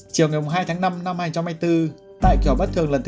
chiều ngày hai tháng năm năm hai nghìn hai mươi bốn tại kiểu bất thường lần thứ bốn